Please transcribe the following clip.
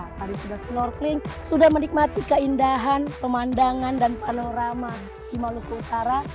tadi sudah snorkeling sudah menikmati keindahan pemandangan dan panorama di maluku utara